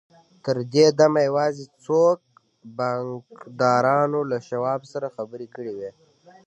تر دې دمه يوازې څو بانکدارانو له شواب سره خبرې کړې وې.